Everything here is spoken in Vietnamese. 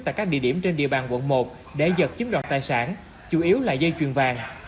tại các địa điểm trên địa bàn quận một để giật chiếm đoạt tài sản chủ yếu là dây chuyền vàng